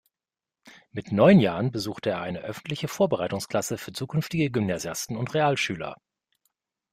Mit neun Jahren besuchte er eine öffentliche Vorbereitungsklasse für zukünftige Gymnasiasten und Realschüler.